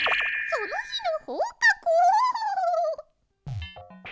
そのひの放課後！